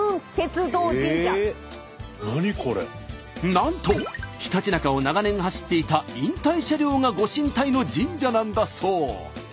なんとひたちなかを長年走っていた引退車両が御神体の神社なんだそう。